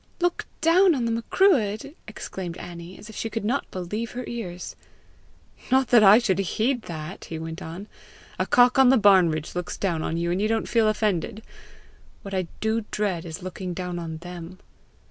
"Look down on the Macruadh!" exclaimed Annie, as if she could not believe her ears. "Not that I should heed that!" he went on. "A cock on the barn ridge looks down on you, and you don't feel offended! What I do dread is looking down on them.